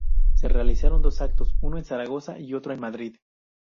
Se realizaron dos actos, uno en Zaragoza y otro en Madrid.